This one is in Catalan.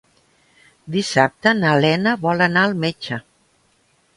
Dissabte na Lena vol anar al metge.